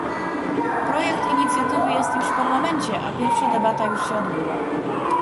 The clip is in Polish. Projekt inicjatywy jest już w Parlamencie, a pierwsza debata już się odbyła